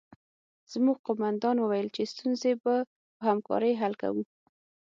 زموږ قومندان وویل چې ستونزې به په همکارۍ حل کوو